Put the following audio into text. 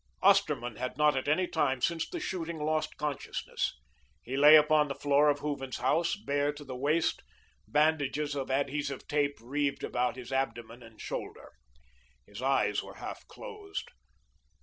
Osterman had not at any time since the shooting, lost consciousness. He lay upon the floor of Hooven's house, bare to the waist, bandages of adhesive tape reeved about his abdomen and shoulder. His eyes were half closed.